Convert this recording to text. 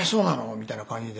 みたいな感じで。